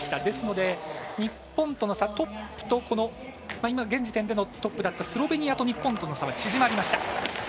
ですので、日本との差現時点でのトップだったスロベニアと日本との差は縮まりました。